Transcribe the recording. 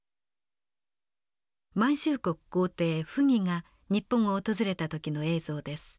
満州国皇帝溥儀が日本を訪れた時の映像です。